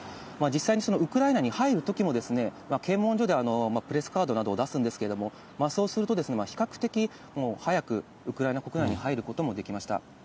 実際にウクライナに入るときも、検問所でプレスカードなどを出すんですけれども、そうすると、比較的早くウクライナ国内に入ることもできました。